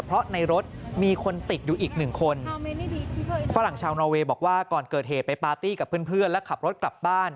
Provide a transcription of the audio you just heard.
เพราะในรถมีคนติดอยู่อีกหนึ่งคนฝรั่งชาวนอเวย์บอกว่าก่อนเกิดเหตุไปปาร์ตี้กับเพื่อนและขับรถกลับบ้าน